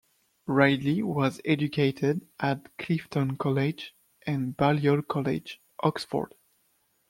Ridley was educated at Clifton College and Balliol College, Oxford.